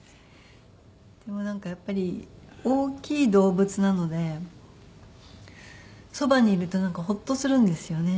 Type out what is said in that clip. でもなんかやっぱり大きい動物なのでそばにいるとなんかホッとするんですよね。